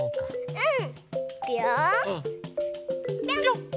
うん？